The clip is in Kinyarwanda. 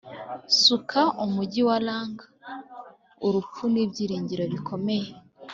suka umuhigi wa lank ubupfu n'ibyiringiro bikomeye.